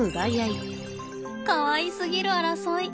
かわいすぎる争い。